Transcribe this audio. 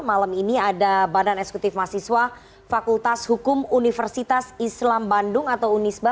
malam ini ada badan eksekutif mahasiswa fakultas hukum universitas islam bandung atau unisba